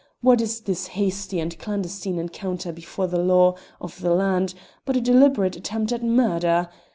What is this hasty and clandestine encounter before the law of the land but a deliberate attempt at murder?